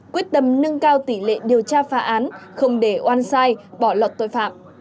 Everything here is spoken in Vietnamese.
quyết tâm nâng cao tỷ lệ điều tra phá án không để oan sai bỏ lọt tội phạm